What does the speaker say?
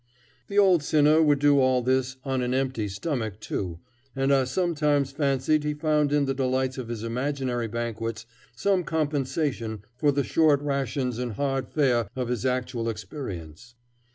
The old sinner would do all this on an empty stomach too, and I sometimes fancied he found in the delights of his imaginary banquets some compensation for the short rations and hard fare of his actual experience.